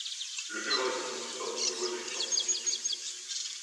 Le jeu aurait été conçu sur deux niveaux de lecture.